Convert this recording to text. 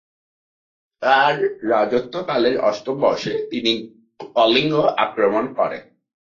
তার রাজত্বকালের অষ্টম বর্ষে তিনি কলিঙ্গ আক্রমণ করেন।